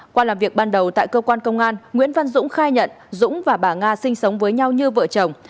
qua làm việc ban đầu tại cơ quan công an nguyễn văn dũng khai nhận dũng và bà nga sinh sống với nhau như vợ chồng